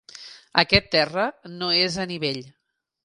Aquest terra no és a nivell.